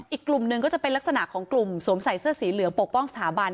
อีกกลุ่มหนึ่งก็จะเป็นลักษณะของกลุ่มสวมใส่เสื้อสีเหลืองปกป้องสถาบัน